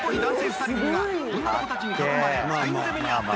２人組が女の子たちに囲まれサイン攻めに遭っている］